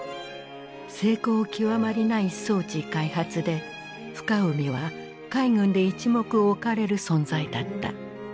精巧極まりない装置開発で深海は海軍で一目置かれる存在だった。